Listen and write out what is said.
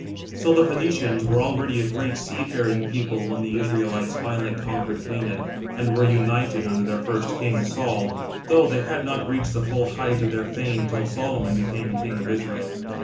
So the Phoenicians were already a great seafaring people when the Israelites finally conquered Canaan and were united under their first king, Saul, though they had not reached the full height of their fame till Solomon became King of Israel.